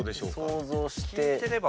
想像して。